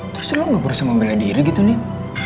terus lo gak berusaha membela diri gitu nih